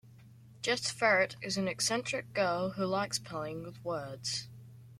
Jess Ferret is an eccentric girl who likes playing with words.